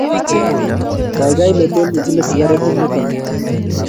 Kaikai metee igule sigaret eng yutok